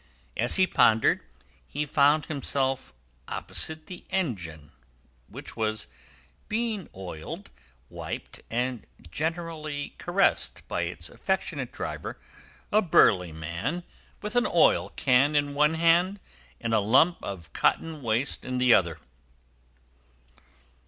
As he pondered, he found himself opposite the engine, which was being oiled, wiped, and generally caressed by its affectionate driver, a burly man with an oil can in one hand and a lump of cotton waste in the other.